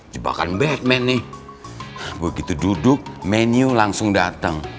jebakan batman nih begitu duduk menu langsung datang